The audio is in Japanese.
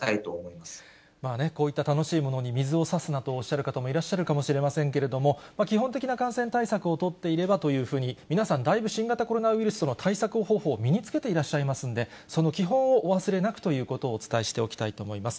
まあね、こういった楽しいものに水をさすなとおっしゃる方もいらっしゃるかもしれませんけれども、基本的な感染対策を取っていればというふうに、皆さん、だいぶ新型コロナウイルスの対策方法を身につけていらっしゃいますんで、その基本をお忘れなくということをお伝えしておきたいと思います。